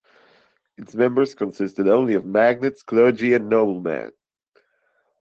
Its members consisted only of magnates, clergy and noblemen.